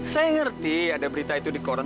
saya ngerti ada berita itu di koran